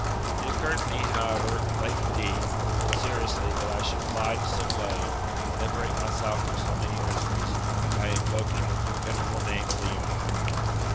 It occurred to me, however, late indeed, but seriously, that I should fly to civil aid, and liberate myself from so many miseries, by invoking the venerable name of the emperor.